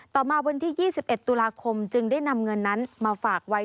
ต่อมาวันที่๒๑ตุลาคมจึงได้นำเงินนั้นมาฝากไว้